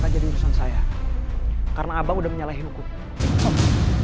jadi urusan saya karena abang udah menyalahi hukum